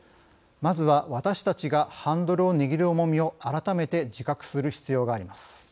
まずは私たちがハンドルを握る重みを改めて自覚する必要があります。